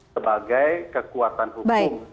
sebagai kekuatan hukum